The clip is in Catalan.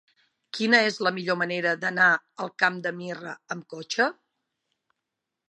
Quina és la millor manera d'anar al Camp de Mirra amb cotxe?